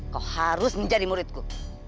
kau harus menjadi muridku